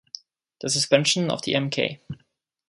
The suspension of the Mk.